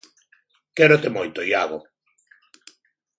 Quérote moito, Iago.